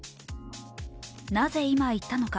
なぜ今行ったのか？